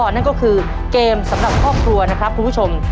นั่นก็คือเกมสำหรับครอบครัวนะครับคุณผู้ชม